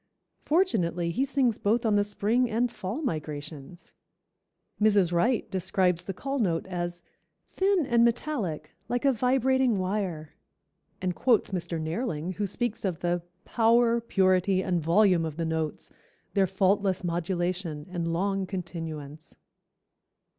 Fortunately he sings both on the spring and fall migrations." Mrs. Wright describes the call note as "Thin and metallic, like a vibrating wire," and quotes Mr. Nehrling, who speaks of the "Power, purity and volume of the notes, their faultless modulation and long continuance."